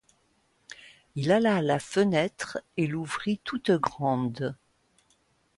Il alla à la fenêtre et l'ouvrit toute grande.